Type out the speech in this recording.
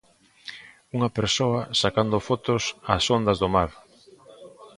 Unha persoa sacando fotos as ondas do mar.